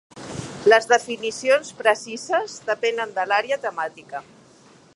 Les definicions precises depenen de l'àrea temàtica.